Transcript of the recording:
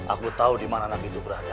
aku tau dimana anak itu berada